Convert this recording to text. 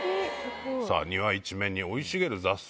庭一面に生い茂る雑草。